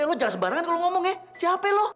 eh lo jangan sebarangan kalau lo ngomong ya capek lo